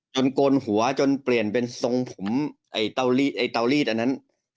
โกนหัวจนเปลี่ยนเป็นทรงผมไอ้เตาลีดอันนั้น